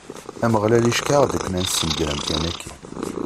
Ameɣlal iceggeɛ-aɣ-d akken ad nessenger amkan-agi.